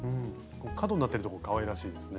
角になってるところかわいらしいですね。